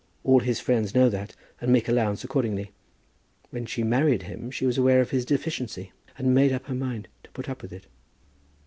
All his friends know that, and make allowance accordingly. When she married him, she was aware of his deficiency, and made up her mind to put up with it."